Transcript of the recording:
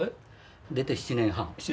出て７年半。